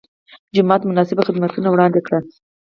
جومات مناسب خدمتونه وړاندې کړي.